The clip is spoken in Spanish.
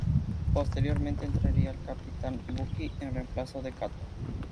Posteriormente entraría el Capitán Ibuki en reemplazo de Kato.